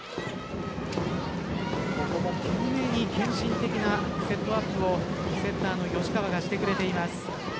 ここも懸命に献身的なセットアップをセッターの吉川がしてくれています。